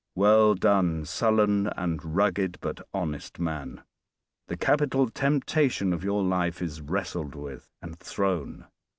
Well done, sullen and rugged but honest man; the capital temptation of your life is wrestled with and thrown.